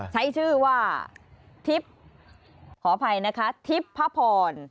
ใช้ชื่อว่าทิพย์ขออภัยนะคะทิพย์พระพร